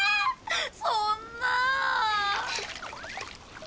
そんなぁ。